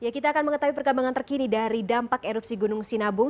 kita akan mengetahui perkembangan terkini dari dampak erupsi gunung sinabung